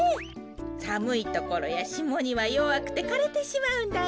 さむいところやしもにはよわくてかれてしまうんだよ。